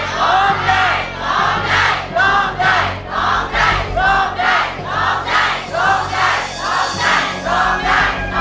โทษให้โทษให้โทษให้